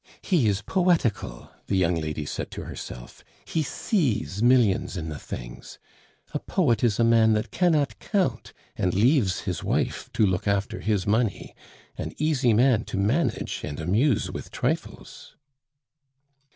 "He is poetical," the young lady said to herself; "he sees millions in the things. A poet is a man that cannot count and leaves his wife to look after his money an easy man to manage and amuse with trifles."